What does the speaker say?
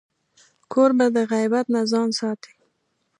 کوربه د غیبت نه ځان ساتي.